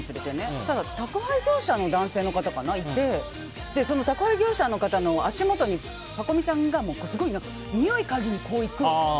そしたら宅配業者の男性の方がいてその宅配業者の方の足元にパコ美ちゃんがすごいにおいを嗅ぎに行くの。